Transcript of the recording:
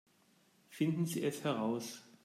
Finden Sie es heraus!